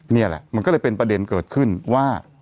นี่แหละมันก็เลยเป็นประเด็นเกิดขึ้นว่า